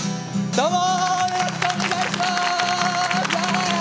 どうも！